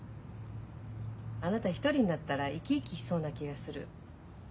あなた一人になったら生き生きしそうな気がする。